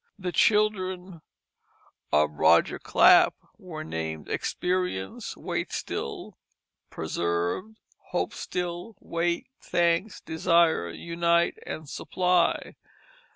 The children of Roger Clap were named Experience, Waitstill, Preserved, Hopestill, Wait, Thanks, Desire, Unite, and Supply.